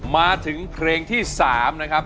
มาถึงเพลงที่๓นะครับ